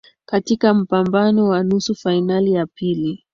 katika mpambano wa nusu fainali ya pili